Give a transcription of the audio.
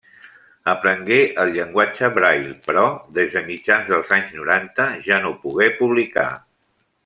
Aprengué el llenguatge Braille però des de mitjans dels anys noranta ja no pogué publicar.